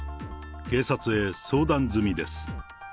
警察へ相談済みです。